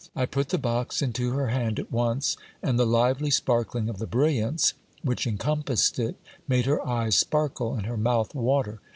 I put the box into her hand at once ; and the lively sparkling of the brilliants which encompassed it made her eyes sparkle and her mouth water.